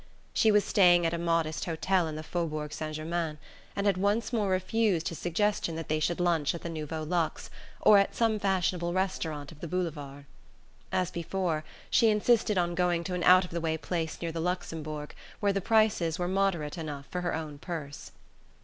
She was staying at a modest hotel in the Faubourg St. Germain, and had once more refused his suggestion that they should lunch at the Nouveau Luxe, or at some fashionable restaurant of the Boulevards. As before, she insisted on going to an out of the way place near the Luxembourg, where the prices were moderate enough for her own purse.